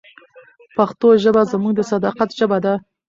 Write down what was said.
پښتو ژبه زموږ د صداقت ژبه ده.